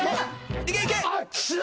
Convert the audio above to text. いけいけ！